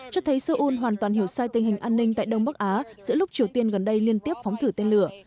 cho thấy seoul hoàn toàn hiểu sai tình hình an ninh tại đông bắc á giữa lúc triều tiên gần đây liên tiếp phóng thử tên lửa